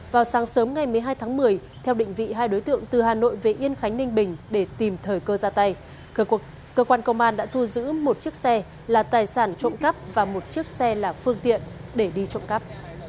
vào sáng sớm ngày một mươi hai tháng một mươi theo định vị hai đối tượng từ hà nội về yên khánh ninh bình để tìm thời cơ ra tay cơ quan công an đã thu giữ một chiếc xe là tài sản trộm cắp và một chiếc xe là phương tiện để đi trộm cắp